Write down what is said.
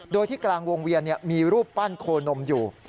โดยที่กลางวงเวียนมีรูปปั้นโคนมอยู่